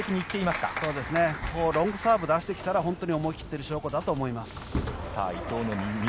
ロングサーブを出してきたら思い切っている証拠だと思います。